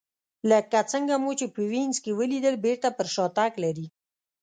لکه څنګه مو چې په وینز کې ولیدل بېرته پر شا تګ لري